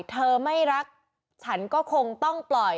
เธอไม่รักฉันก็คงต้องปล่อย